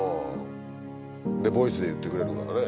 でボイスで言ってくれるからね。